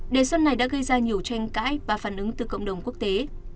đề xuất này đã gây ra nhiều tranh cãi và phản ứng từ cộng đồng quốc tế